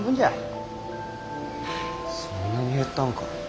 そんなに減ったんか。